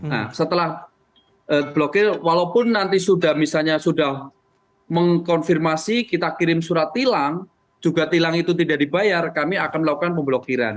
nah setelah blokir walaupun nanti sudah misalnya sudah mengkonfirmasi kita kirim surat tilang juga tilang itu tidak dibayar kami akan melakukan pemblokiran